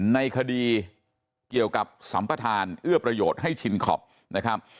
ในคดีเกี่ยวกับสัมประธานเอื้อประโยชน์ให้ชินคอปนะครับ